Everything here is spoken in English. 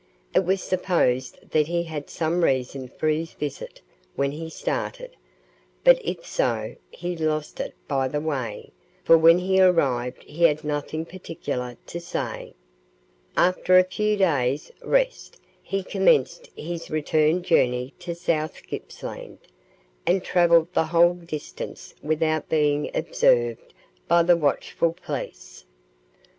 It was supposed that he had some reason for his visit when he started, but if so, he lost it by the way, for when he arrived he had nothing particular to say. After a few days' rest he commenced his return journey to South Gippsland, and travelled the whole distance without being observed by the watchful police.